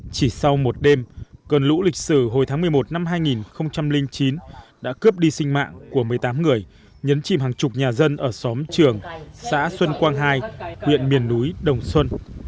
chỉ sau một đêm cơn lũ lịch sử hồi tháng một mươi một năm hai nghìn chín đã cướp đi sinh mạng của một mươi tám người nhấn chìm hàng chục nhà dân ở xóm trường xã xuân quang hai huyện miền núi đồng xuân